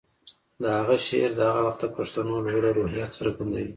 د هغه شعر د هغه وخت د پښتنو لوړه روحیه څرګندوي